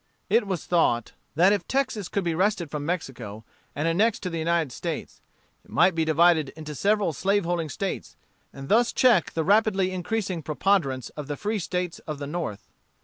It was thought that if Texas could be wrested from Mexico and annexed to the United States, it might be divided into several slaveholding States, and thus check the rapidly increasing preponderance of the free States of the North.